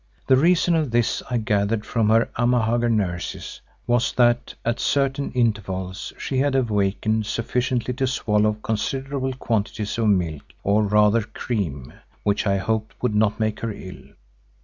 The reason of this I gathered from her Amahagger nurses, was that at certain intervals she had awakened sufficiently to swallow considerable quantities of milk, or rather cream, which I hoped would not make her ill.